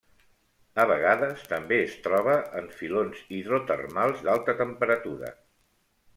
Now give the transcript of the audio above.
A vegades també es troba en filons hidrotermals d'alta temperatura.